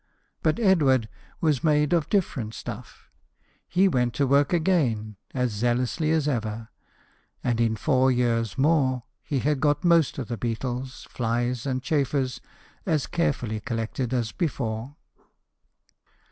But Edward was made of different stuff. He went to work again as zealously as ever, and in four years more, he had got most of the beetles, flies, and chafers as carefully collected as before.